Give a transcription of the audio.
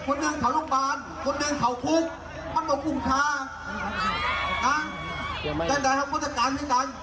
พี่ตำรวจหน่อยครับ